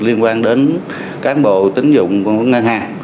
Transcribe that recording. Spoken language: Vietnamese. liên quan đến cán bộ tín dụng của một ngân hàng